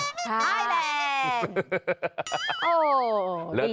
ไทยแลนด์